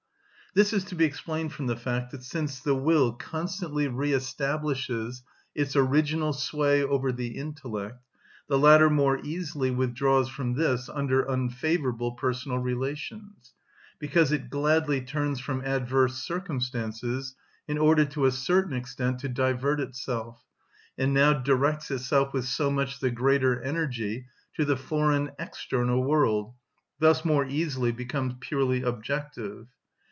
This is to be explained from the fact that since the will constantly re‐ establishes its original sway over the intellect, the latter more easily withdraws from this under unfavourable personal relations; because it gladly turns from adverse circumstances, in order to a certain extent to divert itself, and now directs itself with so much the greater energy to the foreign external world, thus more easily becomes purely objective.